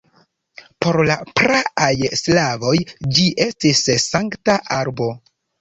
Por la praaj slavoj ĝi estis sankta arbo.